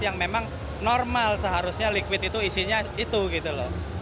yang memang normal seharusnya liquid itu isinya itu gitu loh